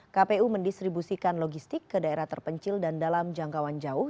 kpu mendistribusikan logistik ke daerah terpencil dan dalam jangkauan jauh